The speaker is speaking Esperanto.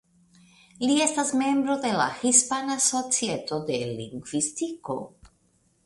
Li estas membro de la Hispana Societo de Lingvistiko.